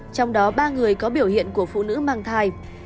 trong đó ba người có biểu hiện của phụ nữ mang thai